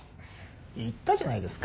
言ったじゃないですか。